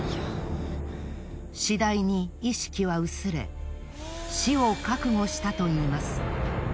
次第に意識は薄れ死を覚悟したといいます。